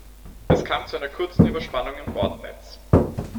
Es kam zu einer kurzen Überspannung im Bordnetz.